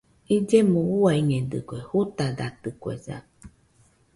Illemo uiañedɨkue, jutadatɨkuesa.